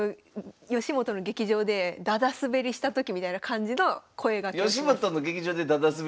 吉本の劇場でダダ滑りしたときみたいな感じの声がけをします。